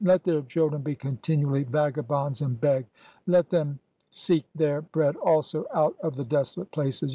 ... Let their children be continually vagabonds and beg ! Let them seek their bread also out of the desolate places!